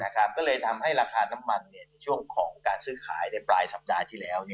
ก็เลยทำให้ราคาน้ำมันในช่วงของการซื้อขายในปลายสัปดาห์ที่แล้ว